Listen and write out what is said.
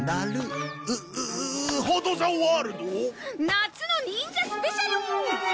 夏の忍者スペシャル！